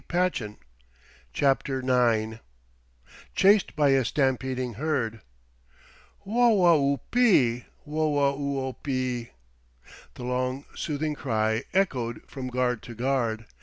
cried Tad. CHAPTER IX CHASED BY A STAMPEDING HERD "Whoa oo ope! Whoa oo ope!" The long soothing cry echoed from guard to guard.